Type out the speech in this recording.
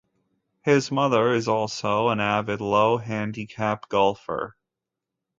His mother is also an avid low-handicap golfer.